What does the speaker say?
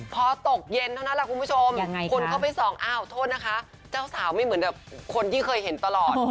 พอตกเย็นเท่านั้นแหละคุณผู้ชมคนเข้าไปส่องอ้าวโทษนะคะเจ้าสาวไม่เหมือนแบบคนที่เคยเห็นตลอด